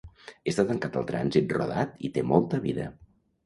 Està tancat al trànsit rodat i té molta vida.